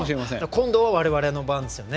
今度はわれわれの番ですよね。